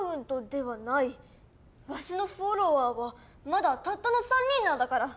わしのふぉろわーはまだたったの３人なんだから。